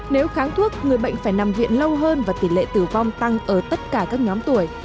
nếu kháng thuốc người bệnh phải nằm viện lâu hơn và tỷ lệ tử vong tăng ở tất cả các nhóm tuổi